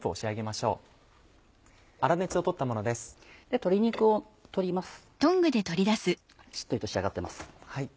しっとりと仕上がってます。